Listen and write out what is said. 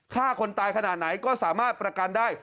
ฆ่าคนตายขนาดไหนก็สามารถประกันได้